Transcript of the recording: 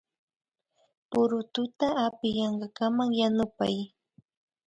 Purututa apiyankakaman yanupay